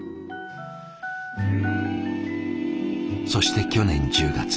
そして去年１０月。